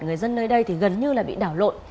người dân nơi đây thì gần như là bị đảo lộn